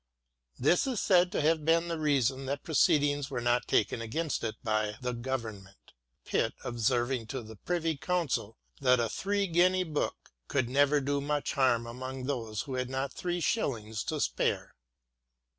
This is said to have been the reason that proceedings were not taken against it by the Government, Pitt observing to the Privy Council that a three guinea book could never do much harm among those who had not three shillings to spare